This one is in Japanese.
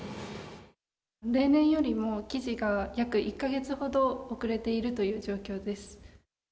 例年よりも生地が約１か月ほど遅れているという状況です。